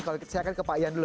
kalau saya akan ke pak ian dulu